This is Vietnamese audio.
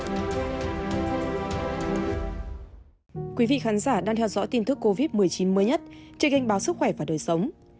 thưa quý vị khán giả đang theo dõi tin tức covid một mươi chín mới nhất trên kênh báo sức khỏe và đời sống